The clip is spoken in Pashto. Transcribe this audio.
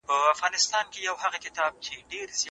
زوی ته ښه درس ورکړل سو.